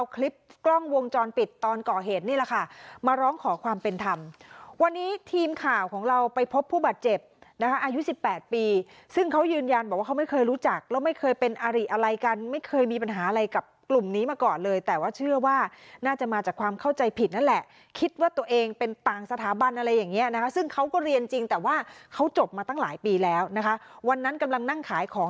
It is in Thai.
เขาเป็นคนที่เขาอยู่ครั้งแรกค่ะ